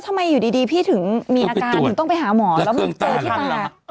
ทำไมอยู่ดีพี่ถึงมีอาการถึงต้องไปหาหมอแล้วเจอที่ตา